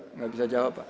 tidak bisa jawab pak